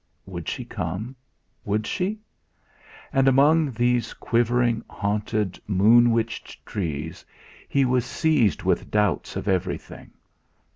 Would she come would she? And among these quivering, haunted, moon witched trees he was seized with doubts of everything!